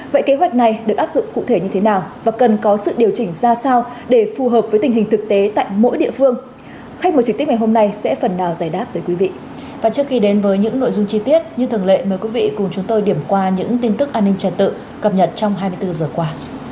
và trước khi đến với những nội dung chi tiết như thường lệ mời quý vị cùng chúng tôi điểm qua những tin tức an ninh trẻ tự cập nhật trong hai mươi bốn giờ qua